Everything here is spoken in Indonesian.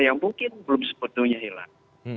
yang mungkin belum sepenuhnya hilang